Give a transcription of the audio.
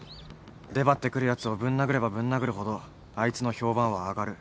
出張ってくるやつをぶん殴ればぶん殴るほどあいつの評判は上がる。